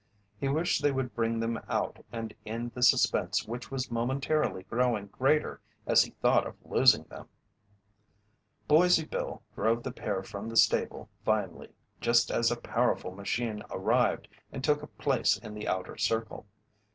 He wished they would bring them out and end the suspense which was momentarily growing greater as he thought of losing them. Boise Bill drove the pair from the stable finally, just as a powerful machine arrived and took a place in the outer circle.